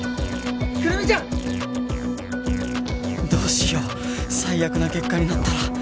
どうしよう最悪な結果になったら